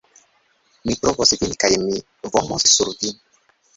Mi trovos vin kaj mi vomos sur vin